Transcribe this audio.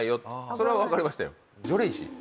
それは分かりましたよ。